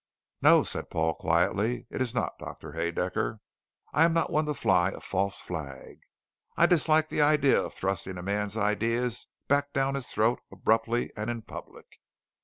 "No," said Paul quietly. "It is not. Doctor Haedaecker, I am not one to fly a false flag. I dislike the idea of thrusting a man's ideas back down his throat abruptly and in public."